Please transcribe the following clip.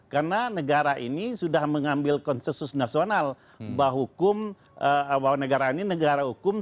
karena negara ini sudah mengambil konsensus nasional bahwa hukum bahwa negara ini negara hukum